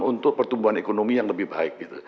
untuk pertumbuhan ekonomi yang lebih baik